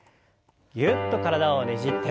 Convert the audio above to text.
ぎゅっと体をねじって。